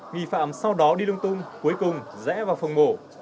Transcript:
nghi phạm sau đó đi lung tung cuối cùng rẽ vào phòng mổ